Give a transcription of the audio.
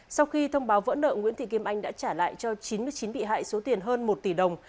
sau khi thông báo vỡ nợ nguyễn thị kim anh đã trả lại cho chín mươi chín bị hại số tiền hơn một tỷ đồng